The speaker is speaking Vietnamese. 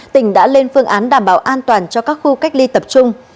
tỉnh đã lên phương án đảm bảo an toàn cho các khu cách ly tập trung